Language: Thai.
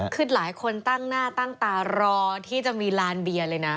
คือหลายคนตั้งหน้าตั้งตารอที่จะมีลานเบียร์เลยนะ